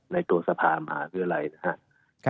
ในตัวสะพานมาเพื่ออะไรนะครับ